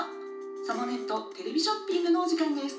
『サボネットテレビショッピング』のおじかんです」。